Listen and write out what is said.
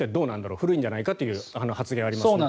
古いんじゃないかという発言がありますね。